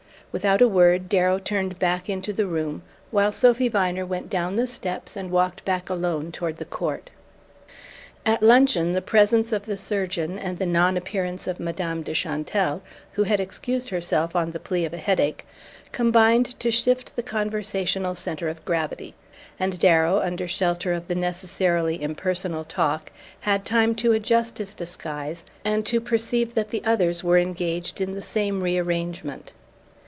Without a word Darrow turned back into the room, while Sophy Viner went down the steps and walked back alone toward the court. At luncheon the presence of the surgeon, and the non appearance of Madame de Chantelle who had excused herself on the plea of a headache combined to shift the conversational centre of gravity; and Darrow, under shelter of the necessarily impersonal talk, had time to adjust his disguise and to perceive that the others were engaged in the same re arrangement.